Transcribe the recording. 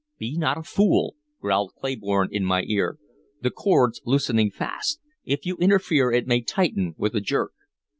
"Be not a fool!" growled Clayborne in my ear. "The cord's loosening fast: if you interfere, it may tighten with a jerk!"